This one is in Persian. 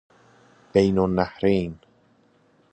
بین النهرین